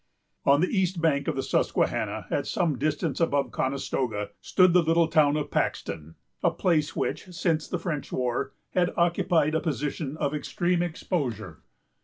On the east bank of the Susquehanna, at some distance above Conestoga, stood the little town of Paxton; a place which, since the French war, had occupied a position of extreme exposure.